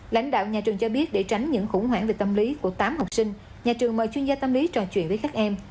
lãnh đạo nhà trường cho biết để tránh những khủng hoảng về tâm lý của tám học sinh nhà trường mời chuyên gia tâm lý tròn chuyện với các em